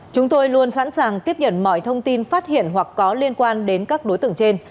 chúng tôi luôn sẵn sàng tiếp nhận mọi thông tin phát hiện hoặc có liên quan đến các đối tượng trên